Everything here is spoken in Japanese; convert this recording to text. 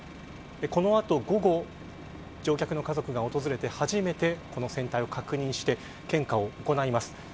この後、午後に乗客の家族が訪れて初めてこの船体を確認して献花を行います。